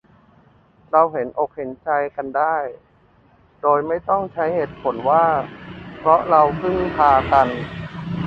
เราเห็นอกเห็นใจกันได้ โดยไม่ต้องใช้เหตุผลว่า เพราะเราพึ่งพากัน